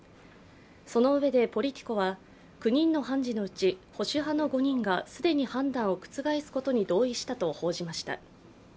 そのうえで、ポリティコは９人の判事のうち保守派の５人が既に判断を覆すことに同意したと報じました。